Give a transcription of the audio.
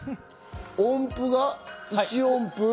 音符が１音符？